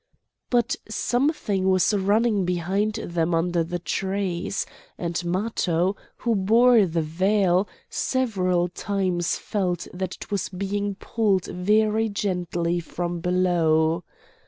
But something was running behind them under the trees; and Matho, who bore the veil, several times felt that it was being pulled very gently from below.